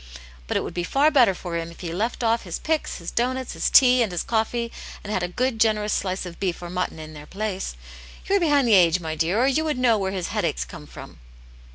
" But it would be far better for him if he left off his pics, his doughnuts, his tea, and his coffee, and had a good, generous slice of beef or mutton in their place. You are behind the age, my dear, or you would know where his headaches come from."